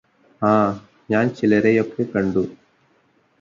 ആ ഞാന് ചിലരെയൊക്കെ കണ്ടു